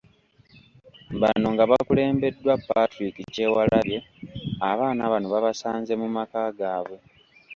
Bano nga bakulembeddwa Patrick Kyewalabye, abaana bano babasanze mu maka gaabwe.